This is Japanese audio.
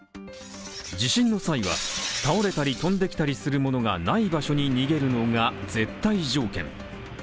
地震の際は、倒れたり飛んできたりするものがない場所に逃げるのが絶対条件。